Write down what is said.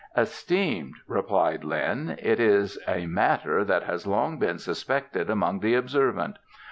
"Esteemed," replied Lin, "it is a matter that has long been suspected among the observant.